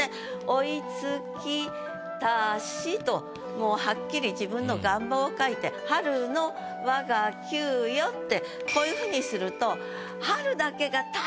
「追いつきたし」ともうはっきり自分の願望を書いて「春の我が給与」ってこういうふうにすると。